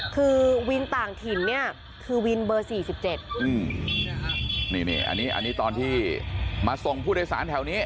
คือวินต่างถิ่นเนี่ยคือวินเบอร์สี่สิบเจ็ดอืมนี่อันนี้ตอนที่มาส่งผู้โดยสารแถวนี้